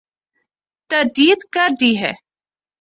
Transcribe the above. تردید کر دی ہے ۔